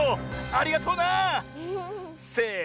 ありがとうな！せの。